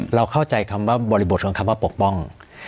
เราเข้าใจบริบทของคำว่าปกป้อง